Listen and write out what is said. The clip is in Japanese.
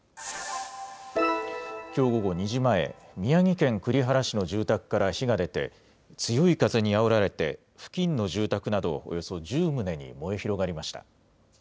きょう午後２時前、宮城県栗原市の住宅から火が出て、強い風にあおられて、付近の住宅などおよそ１０棟に燃え広がりました。